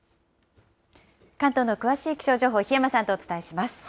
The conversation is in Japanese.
関東の詳しい気象情報、檜山さんとお伝えします。